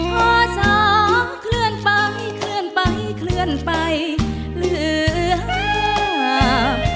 พอสอเคลื่อนไปเคลื่อนไปเคลื่อนไปเหลือห้า